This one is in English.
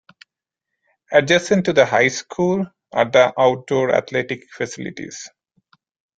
Adjacent to the high school, are the outdoor athletic facilities.